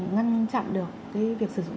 ngăn chặn được việc sử dụng